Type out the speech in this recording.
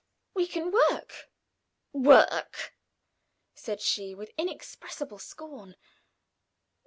"We can work." "Work!" said she, with inexpressible scorn.